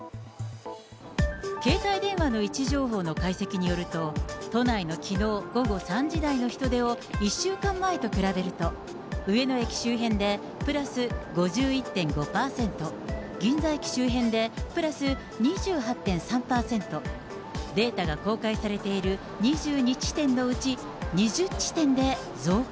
携帯電話の位置情報の解析によると、都内のきのう午後３時台の人出を１週間前と比べると、上野駅周辺でプラス５１．５％、銀座駅周辺でプラス２８．３％、データが公開されている２２地点のうち２０地点で増加。